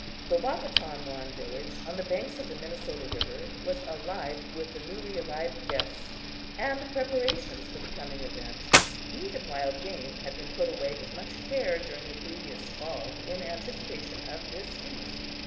The Wahpetonwan village on the banks of the Minnesota river was alive with the newly arrived guests and the preparations for the coming event. Meat of wild game had been put away with much care during the previous fall in anticipation of this feast.